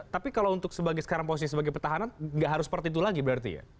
tapi kalau untuk sekarang posisi sebagai petahana nggak harus seperti itu lagi berarti ya